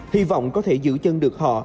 hy vọng có thể giữ chân được họ